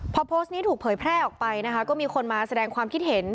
พอโพสต์นี้ถูกเผยแพร่ออกไปนะคะก็มีคนมาแสดงความคิดเห็น